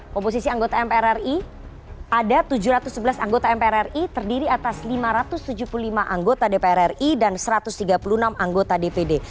komposisi anggota mpr ri ada tujuh ratus sebelas anggota mpr ri terdiri atas lima ratus tujuh puluh lima anggota dpr ri dan satu ratus tiga puluh enam anggota dpd